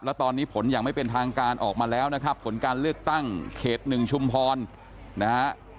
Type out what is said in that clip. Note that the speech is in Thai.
แล้วตอนนี้ผลอย่างไม่เป็นทางการออกมาแล้วนะครับผลการเลือกตั้งเขต๑ชุมพรนะฮะ